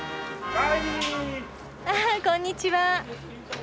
ああこんにちは。